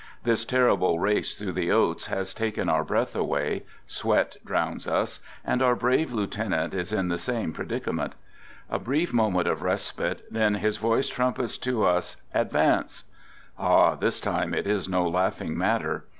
This terrible race through the oats has taken our breath away, sweat drowns us, and our brave lieu tenant is in the same predicament. A brief moment of respite, then his voice trumpets to us, "Ad vance! " i Ah ! this time it is no laughing matter.